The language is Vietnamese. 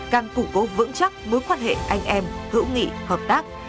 càng củng cố vững chắc mối quan hệ anh em hữu nghị hợp tác